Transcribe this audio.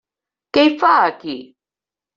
Què hi fa aquí?